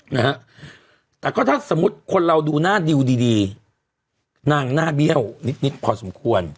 นะฮะแต่ก็ถ้าสมมุติคนเราดูหน้าดิวดีดีนางหน้าเบี้ยวนิดนิดพอสมควร